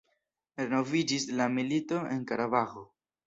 Renoviĝis la milito en Karabaĥo.